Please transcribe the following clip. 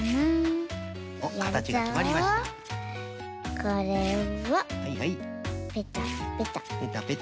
これをペタペタ。